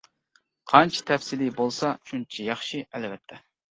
قانچە تەپسىلىي بولسا شۇنچە ياخشى ئەلۋەتتە.